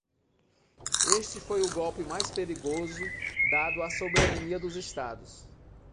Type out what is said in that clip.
Este foi o golpe mais perigoso dado à soberania dos estados.